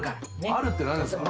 「ある」って何ですか？